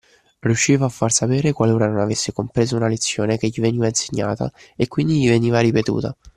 Riusciva a far sapere qualora non avesse compreso una lezione che gli veniva insegnata, e quindi gli veniva ripetuta.